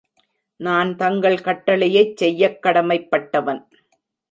நான் தங்கள் கட்டளையைச் செய்யக் கடமைப் பட்டவன்.